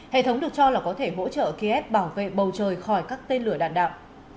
hệ thống được cho là có thể hỗ trợ kiev bảo vệ bầu trời khỏi các tên lửa đạn đạo